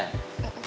tuh mumpur tuh